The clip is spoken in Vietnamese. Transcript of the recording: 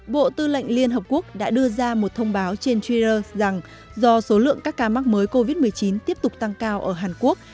bộ tư lệnh liên hợp quốc đã đưa ra một thông báo trên twitter rằng do số lượng các ca mắc mới covid một mươi chín tiếp tục tăng cao ở hàn quốc